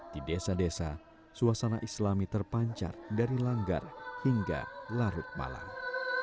di desa desa suasana islami terpancar dari langgar hingga larut malam